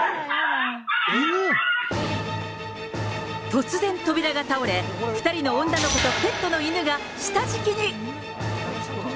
突然扉が倒れ、２人の女の子とペットの犬が下敷きに。